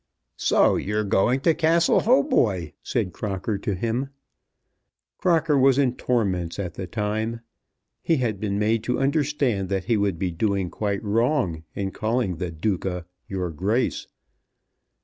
"So you're going to Castle Hautboy?" said Crocker to him. Crocker was in torments at the time. He had been made to understand that he would be doing quite wrong in calling the Duca "Your Grace."